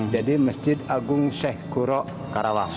jadi masjid agung sheikh kuro karawang